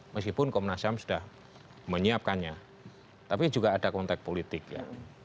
meskipun komnas ham sudah menyiapkannya tapi juga ada konteks politik ya